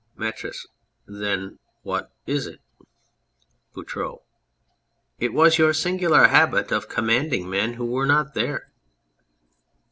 METRIS. Then what is it? BOUTROUX. It was your singular habit of com manding men who were not there.